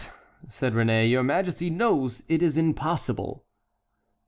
said Réné, "your majesty knows it is impossible."